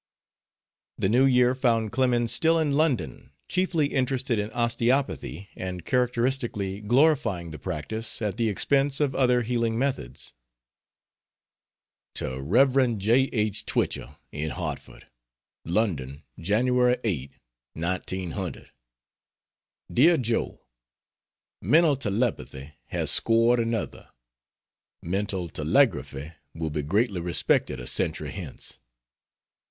The New Year found Clemens still in London, chiefly interested in osteopathy and characteristically glorifying the practice at the expense of other healing methods. To Rev. J. H. Twichell, in Hartford: LONDON, Jan. 8, 1900. DEAR JOE, Mental Telepathy has scored another. Mental Telegraphy will be greatly respected a century hence.